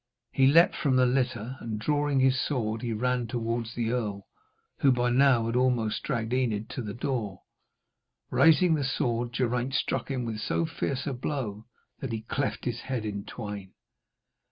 He leaped from the litter, and, drawing his sword, he ran towards the earl, who by now had almost dragged Enid to the door. Raising the sword, Geraint struck him with so fierce a blow that he cleft his head in twain.